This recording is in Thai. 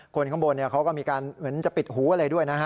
คนข้างบนเขาก็มีการเหมือนจะปิดหูอะไรด้วยนะฮะ